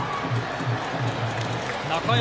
中山